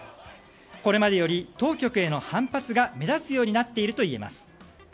これまでより当局への反発が目立つようになっているといえます。